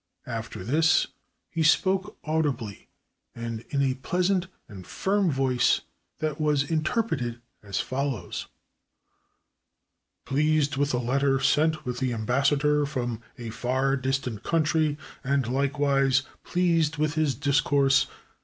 After this, he spoke audibly and in a pleasant and firm voice what was interpreted as follows : "Pleased with the letter sent with the Ambassador from a far distant country, and likewise pleased with his discourse.